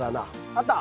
あった！